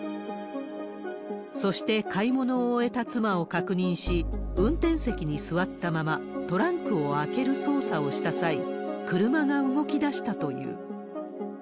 そして買い物を終えた妻を確認し、運転席に座ったままトランクを開ける操作をした際、車が動き出したという。